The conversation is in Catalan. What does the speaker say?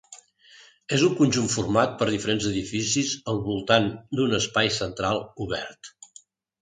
És un conjunt format per diferents edificis al voltant d'un espai central obert.